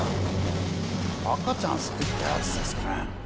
赤ちゃん救ったやつですかね。